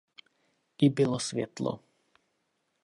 I bylo světlo.